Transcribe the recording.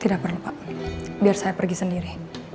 tidak perlu pak biar saya pergi sendiri